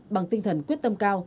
bằng tinh thần quyết tâm cao